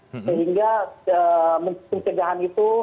sehingga pencegahan itu